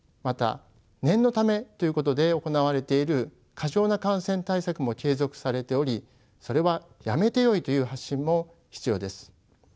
また念のためということで行われている過剰な感染対策も継続されておりそれはやめてよいという発信も必要です。